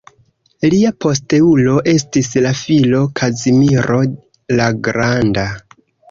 Lia posteulo estis la filo Kazimiro la Granda.